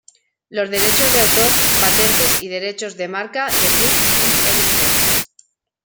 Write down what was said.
Los derechos de autor, patentes y derechos de marca de Grub, Inc.